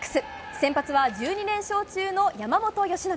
先発は１２連勝中の山本由伸。